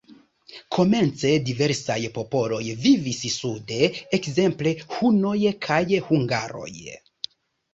Komence diversaj popoloj vivis sude, ekzemple hunoj kaj hungaroj.